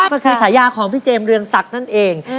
เมื่อกี้สายาของพี่เจมส์เรืองศักดิ์นั่นเอง